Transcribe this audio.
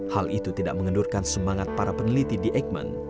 hal itu tidak mengendurkan semangat para peneliti di eijkman